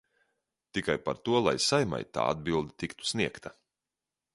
Tikai par to, lai Saeimai tā atbilde tiktu sniegta.